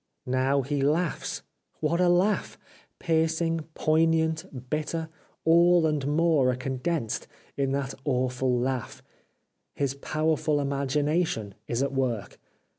Now he laughs ! What a laugh ! Piercing, poignant, bitter — all and more are condensed in that awful laugh. His powerful imagination is at work.